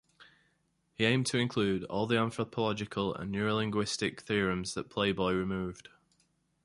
He aimed to include all the anthropological and neurolinguistic theorems that "Playboy" removed.